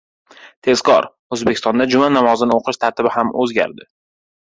Tezkor! O‘zbekistonda juma namozini o‘qish tartibi ham o‘zgardi